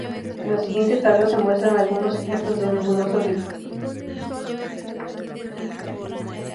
En la siguiente tabla se muestran algunos ejemplos de nebulosas bipolares.